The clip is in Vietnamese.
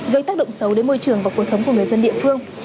gây tác động xấu đến môi trường và cuộc sống của người dân địa phương